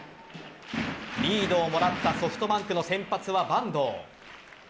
リードをもらったソフトバンクの先発は板東。